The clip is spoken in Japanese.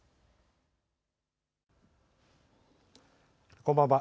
こんばんは。